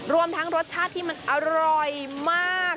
รวมทั้งรสชาติที่มันอร่อยมาก